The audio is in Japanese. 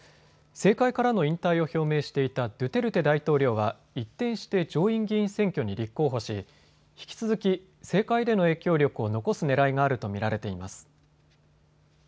政界からの引退を表明していたドゥテルテ大統領は一転して上院議員選挙に立候補し引き続き政界での影響力を残すねらいがあると見られています。